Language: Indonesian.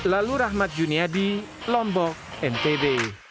lalu rahmat juniadi lombok ntb